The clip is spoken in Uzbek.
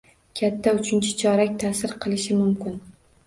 Katta uchinchi chorak ta'sir qilishi mumkin